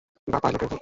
বা পাইলটের ভুলকে।